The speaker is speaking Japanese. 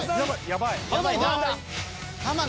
やばいな。